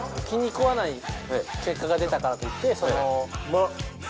気に食わない結果が出たからといってその。